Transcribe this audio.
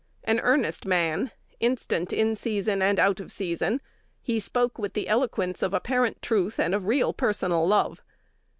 An earnest man, instant in season and out of season, he spoke with the eloquence of apparent truth and of real personal love.